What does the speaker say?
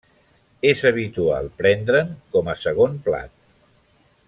És habitual prendre'n com a segon plat.